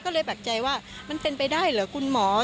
ก็เลยปักใจว่ามันเป็นไปได้เหรอคุณหมอ